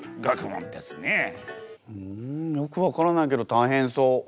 ふんよく分からないけど大変そう。